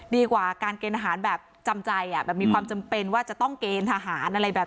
ดีกว่าการเกณฑ์อาหารแบบจำใจแบบมีความจำเป็นว่าจะต้องเกณฑ์ทหารอะไรแบบนี้